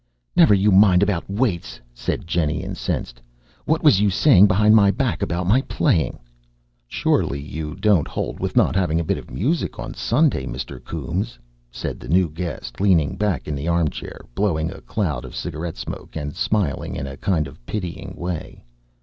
"Never you mind about weights," said Jennie, incensed. "What was you saying behind my back about my playing?" "Surely you don't 'old with not having a bit of music on a Sunday, Mr. Coombes?" said the new guest, leaning back in the arm chair, blowing a cloud of cigarette smoke and smiling in a kind of pitying way.